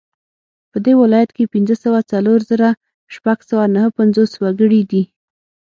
په دې ولایت کې پنځه سوه څلور زره شپږ سوه نهه پنځوس وګړي دي